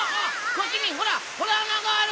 こっちにほらほらあながある！